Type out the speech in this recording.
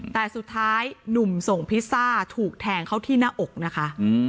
แต่สุดท้ายหนุ่มส่งพิซซ่าถูกแทงเขาที่หน้าอกนะคะ